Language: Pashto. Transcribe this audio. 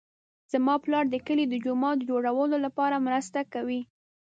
زما پلار د کلي د جومات د جوړولو لپاره مرسته کوي